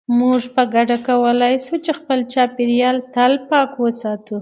موږ په ګډه کولای شو چې خپل چاپیریال تل پاک وساتو.